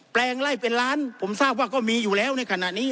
แปลงไล่เป็นล้านผมทราบว่าก็มีอยู่แล้วในขณะนี้